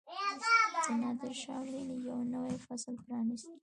د نادرشاه مړینې یو نوی فصل پرانیست.